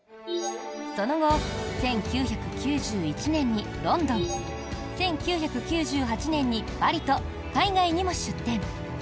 その後、１９９１年にロンドン１９９８年にパリと海外にも出店。